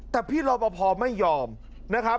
แต่พี่รอปภไม่ยอมนะครับ